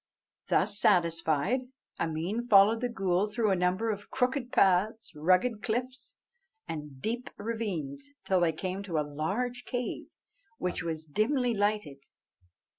Thus satisfied, Ameen followed the ghool through a number of crooked paths, rugged cliffs, and deep ravines, till they came to a large cave, which was dimly lighted.